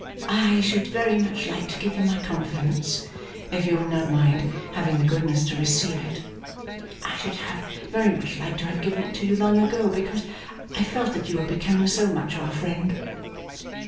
'I should very much like to give you my confidence, if you would not mind having the goodness to receive it. I should have very much liked to have given it to you long ago, because I felt that you were becoming so much our friend.